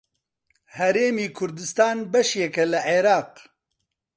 هەرێمی کوردستان بەشێکە لە عێراق.